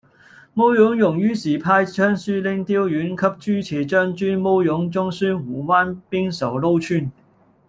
慕容永于是派尚书令刁云及车骑将军慕容钟率五万兵守潞川。